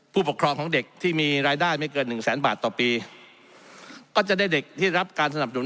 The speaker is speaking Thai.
ผู้ปกครองของเด็กที่มีรายได้ไม่เกินหนึ่งแสนบาทต่อปีก็จะได้เด็กที่รับการสนับสนุน